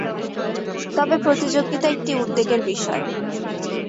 তবে প্রতিযোগিতা একটি উদ্বেগের বিষয়।